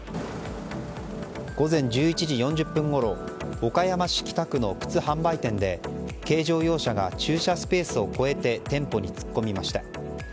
午前１１時４０分ごろ岡山市北区の靴販売店で軽乗用車が駐車スペースを越えて店舗に突っ込みました。